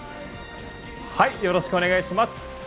よろしくお願いします。